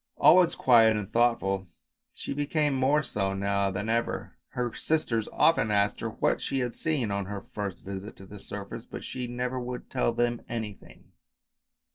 Always silent and thoughtful, she became more so now than ever. Her sisters often asked her what she had seen on her first visit to the surface, but she never would tell them anything.